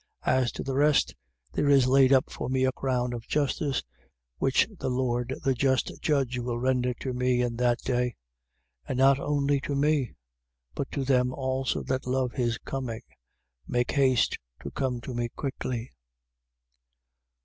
4:8. As to the rest, there is laid up for me a crown of justice which the Lord the just judge will render to me in that day: and not only to me, but to them also that love his coming. Make haste to come to me quickly.